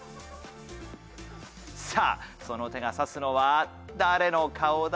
さぁその手がさすのは誰の顔だ？